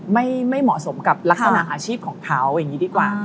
ไม่เหมาะสมกับลักษณะอาชีพของเขาอย่างนี้ดีกว่า